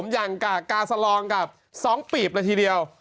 อย่างการกาซลองสองปีบละทีเดียว